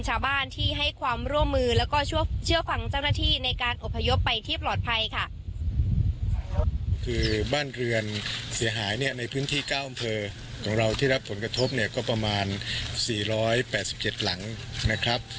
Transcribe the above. เสียหายในพื้นที่๙อำเภอของเราที่รับผลกระทบเนี่ยก็ประมาณ๔๘๗หลังนะครับ